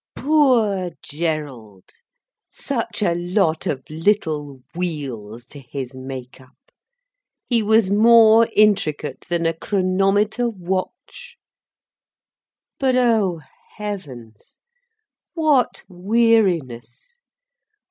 Poor Gerald, such a lot of little wheels to his make up! He was more intricate than a chronometer watch. But oh heavens, what weariness!